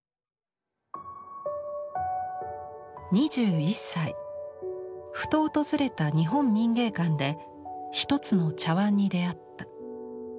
２１歳ふと訪れた日本民藝館で一つの茶碗に出会った。